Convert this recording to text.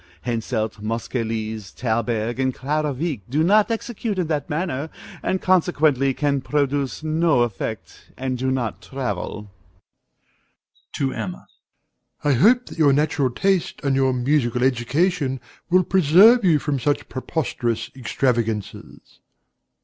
Henselt, Moscheles, Thalberg, and Clara Wieck do not execute in that manner, and consequently can produce no effect, and do not travel. DOMINIE (to Emma). I hope that your natural taste and your musical education will preserve you from such preposterous extravagances.